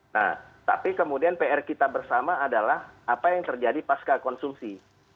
nah tapi kemudian pr kita bersama adalah apa yang terjadi pasca konsumsi